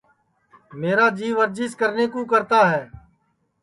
میرا جیو ورجیس کرنے کُو کرتا ہے